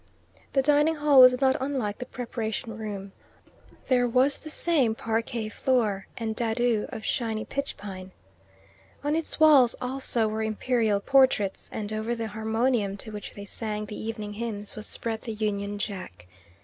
The dining hall was not unlike the preparation room. There was the same parquet floor, and dado of shiny pitchpine. On its walls also were imperial portraits, and over the harmonium to which they sang the evening hymns was spread the Union Jack.